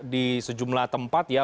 di sejumlah tempat ya